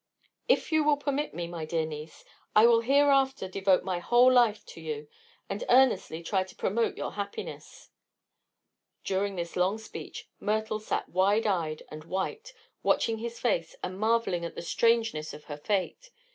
If you will permit me, my dear niece, I will hereafter devote my whole life to you, and earnestly try to promote your happiness." During this long speech Myrtle had sat wide eyed and white, watching his face and marveling at the strangeness of her fate.